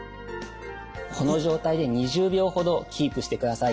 この状態で２０秒ほどキープしてください。